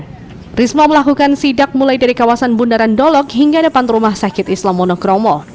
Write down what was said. trisma melakukan sidak mulai dari kawasan bundaran dolok hingga depan rumah sakit islam monokromo